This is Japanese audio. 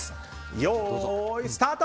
よーい、スタート！